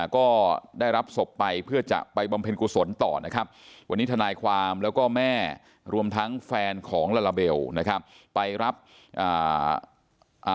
ก็ได้รับศพไปเพื่อจะไปบำเพ็ญกุศลต่อวันนี้ทนายความและแม่รวมทั้งแฟนของลาลาเบล